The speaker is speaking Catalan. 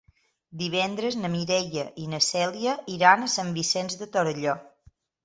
Divendres na Mireia i na Cèlia iran a Sant Vicenç de Torelló.